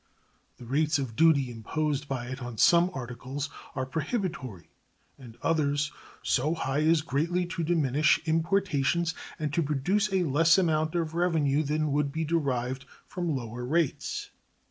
The rates of duty imposed by it on some articles are prohibitory and on others so high as greatly to diminish importations and to produce a less amount of revenue than would be derived from lower rates.